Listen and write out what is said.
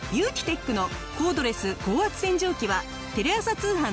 テックのコードレス高圧洗浄機はテレ朝通販